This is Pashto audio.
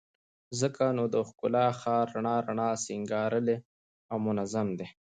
ځکه نو د ښکلا ښار رڼا رڼا، سينګارلى او منظم دى